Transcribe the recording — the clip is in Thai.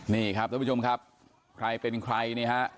นี่ครับท่านผู้ชมครับใครเป็นใครนี่ฮะ